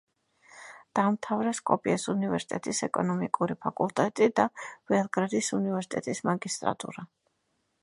დაამთავრა სკოპიეს უნივერსიტეტის ეკონომიკური ფაკულტეტი და ბელგრადის უნივერსიტეტის მაგისტრატურა.